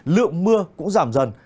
lượng mưa cũng giảm dần